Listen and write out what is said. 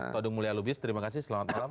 todong mulia lubis terima kasih selamat malam